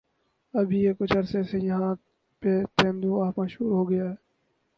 اب یہ کچھ عرصے سے یہاں پہ تیندوا مشہور ہوگیاہے